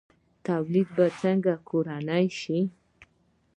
تولید باید څنګه کورنی شي؟